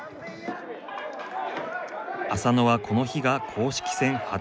浅野はこの日が公式戦初登板。